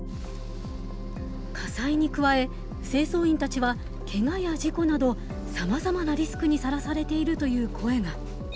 火災に加え清掃員たちはけがや事故などさまざまなリスクにさらされているという声が。